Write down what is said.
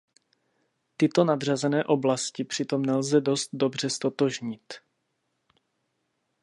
Tyto nadřazené oblasti přitom nelze dost dobře ztotožnit.